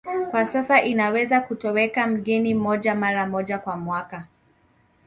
Kwa sasa inaweza kutoweka mgeni mmoja mara moja kwa mwaka